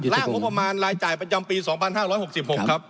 ล่างบบประมาณรายจ่ายประจำปีสองพันห้าร้อยหกสิบหกครับครับ